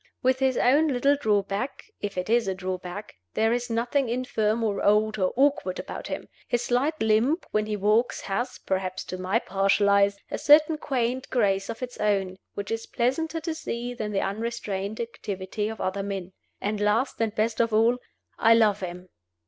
With this one little drawback (if it is a drawback), there is nothing infirm or old or awkward about him; his slight limp when he walks has (perhaps to my partial eyes) a certain quaint grace of its own, which is pleasanter to see than the unrestrained activity of other men. And last and best of all, I love him!